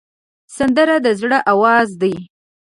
سندره د زړه آواز دی